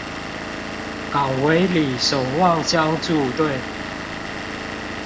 港尾里守望相助隊